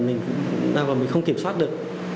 mình không kiểm soát được